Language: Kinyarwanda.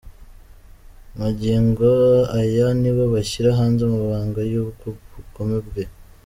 Magingo aya nibo bashyira hanze amabanga y’ubwo bugome bwe.